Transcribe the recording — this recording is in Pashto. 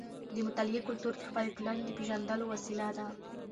د مطالعې کلتور د خپلې ټولنې د پیژندلو وسیله ده.